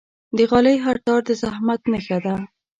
د غالۍ هر تار د زحمت نخښه ده.